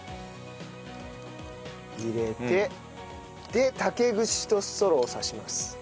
で竹串とストローを刺します。